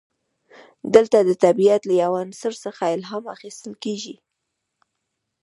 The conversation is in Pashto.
دلته د طبیعت له یو عنصر څخه الهام اخیستل کیږي.